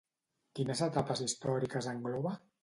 Quines etapes històriques engloba?